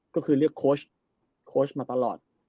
ก็คือเรียกโค้ชโค้ชมาตลอด